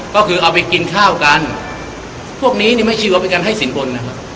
ก็คือเอาไปกินข้าวกันพวกนี้ไม่ใช่การให้สินบนนะครับ